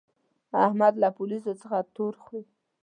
احمد له پوليسو څخه تور خوري.